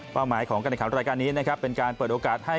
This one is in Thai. เป้าหมายของการเนื้อขันรายการนี้เป็นการเปิดโอกาสให้